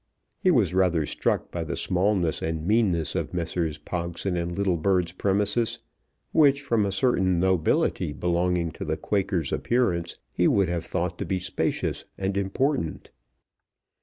He was rather struck by the smallness and meanness of Messrs. Pogson and Littlebird's premises, which, from a certain nobility belonging to the Quaker's appearance, he would have thought to be spacious and important.